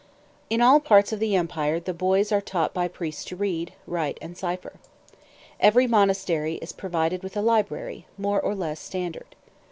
In all parts of the empire the boys are taught by priests to read, write, and cipher. Every monastery is provided with a library, more or less standard.